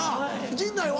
陣内は？